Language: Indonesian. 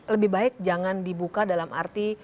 lebih baik jangan dibuka dalam arti